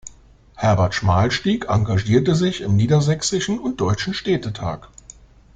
Herbert Schmalstieg engagierte sich im Niedersächsischen und Deutschen Städtetag.